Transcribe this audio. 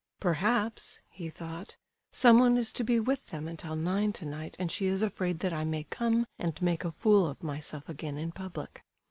"Perhaps," he thought, "someone is to be with them until nine tonight and she is afraid that I may come and make a fool of myself again, in public."